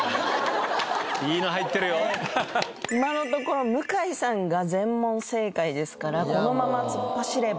今のところ向井さんが全問正解ですからこのまま突っ走れば。